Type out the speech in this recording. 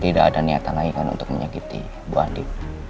tidak ada niatan lagi kan untuk menyakiti bu andi